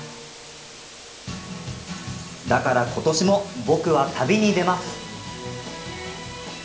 だから、ことしも僕は旅に出ます。